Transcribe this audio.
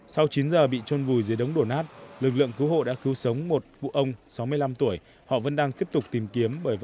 sau chín giờ bị trôn vùi dưới đống đổ nát lực lượng cứu hộ đã cứu sống một vụ ông sáu mươi năm tuổi